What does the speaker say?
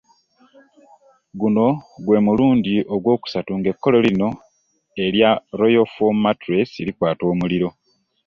Guno gwe mulundi ogwokusatu ng'ekkolero lino erya Royal Foam mattress likwata omuliro.